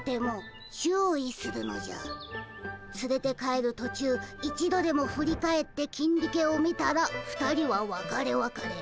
つれて帰る途中一度でも振り返ってキンディケを見たら２人はわかれわかれ。